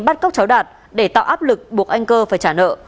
bắt cóc cháu đạt để tạo áp lực buộc anh cơ phải trả nợ